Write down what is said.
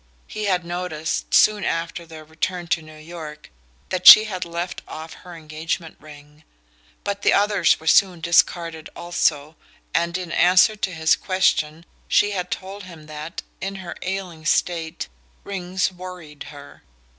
He had noticed, soon after their return to New York, that she had left off her engagement ring; but the others were soon discarded also, and in answer to his question she had told him that, in her ailing state, rings "worried" her.